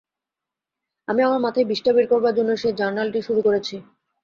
আমি আমার মাথায় বিষ্ঠা বের করার জন্য সেই জার্নালটি শুরু করেছি।